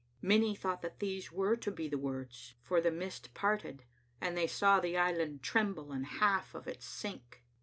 Many thought that these were to be the words, for the mist parted, and they saw the island tremble and half of it sink.